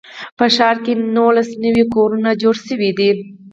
په ښار کې نولس نوي کورونه جوړ شوي دي.